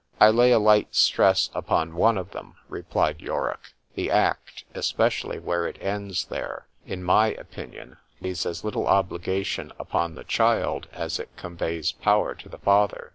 I lay a slight stress upon one of them, replied Yorick——the act, especially where it ends there, in my opinion lays as little obligation upon the child, as it conveys power to the father.